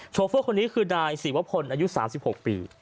โฟลคนนี้คือนายศิวพลอายุ๓๖ปี